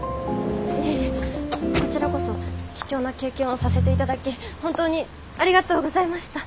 いえいえこちらこそ貴重な経験をさせて頂き本当にありがとうございました。